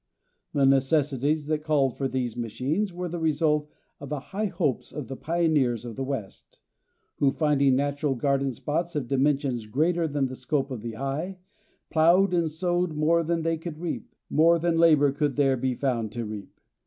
] The necessities that called for these machines were the result of the high hopes of the pioneers of the West, who, finding natural garden spots of dimensions greater than the scope of the eye, plowed and sowed more than they could reap, more than labor could there be found to reap.